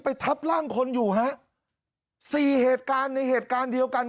ทับร่างคนอยู่ฮะสี่เหตุการณ์ในเหตุการณ์เดียวกัน